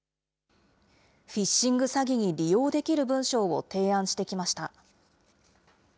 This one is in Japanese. フィッシング詐欺に利用できる文章を提案してきました。